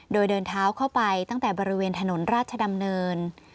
โดยเดินเท้าเข้าไปตั้งแต่บริเวณถนนราชดำเนิน